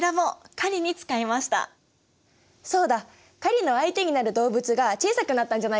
狩りの相手になる動物が小さくなったんじゃないかな。